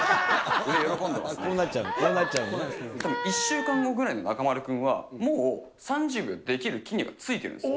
たぶん、１週間後ぐらいに中丸君は、もう３０秒できる筋肉がついてるんですよ。